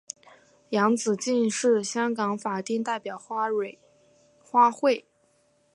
洋紫荆是香港法定代表花卉。